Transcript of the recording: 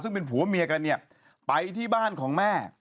ซึ่งเป็นผัวเมียกันเนี่ยไปที่บ้านของแม่